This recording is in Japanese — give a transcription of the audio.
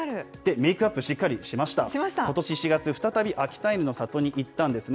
メイクアップしっかりしました。ことし４月、再び秋田犬の里に行ったんですね。